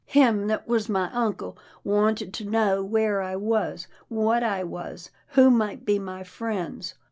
" Him that was my uncle wanted to know where I was, what I was, who might be my friends.